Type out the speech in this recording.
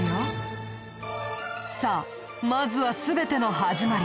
さあまずは全ての始まり